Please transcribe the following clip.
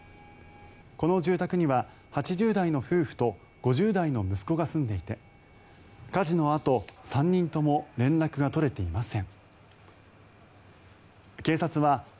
この住宅には８０代の夫婦と５０代の息子が住んでいて火事のあと３人とも連絡が取れていません。